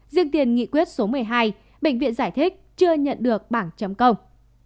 riêng tiền nghị quyết số một mươi hai bệnh viện giải thích chưa nhận được bảng chấm công